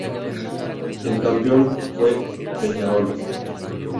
El campeón fue Peñarol.